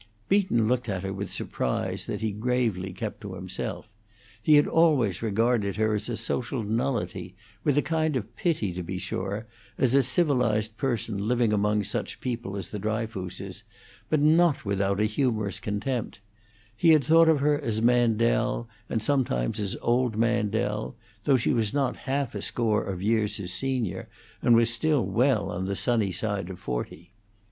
Beaton looked at her with surprise that he gravely kept to himself. He had always regarded her as a social nullity, with a kind of pity, to be sure, as a civilized person living among such people as the Dryfooses, but not without a humorous contempt; he had thought of her as Mandel, and sometimes as Old Mandel, though she was not half a score of years his senior, and was still well on the sunny side of forty.